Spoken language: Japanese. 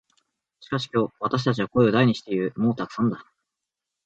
しかし今日、私たちは声を大にして言う。「もうたくさんだ」。